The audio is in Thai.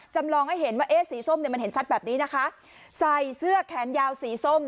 จำลองให้เห็นว่าเอ๊ะสีส้มเนี่ยมันเห็นชัดแบบนี้นะคะใส่เสื้อแขนยาวสีส้ม